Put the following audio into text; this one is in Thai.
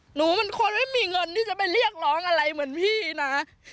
หนูเป็นคนไม่มีเงินที่จะไปเรียกร้องอะไรเหมือนพี่นะ